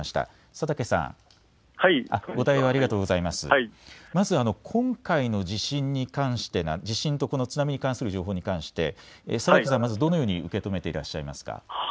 佐竹さん、まず今回の地震と津波に関する情報に関して佐竹さん、まずどのように受け止めてらっしゃいますか。